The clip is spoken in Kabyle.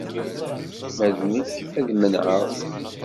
Ma d nekk ad menɛeɣ.